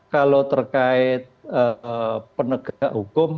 kalau terkait penegak hukum